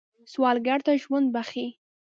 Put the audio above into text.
سوالګر ته ژوند بخښئ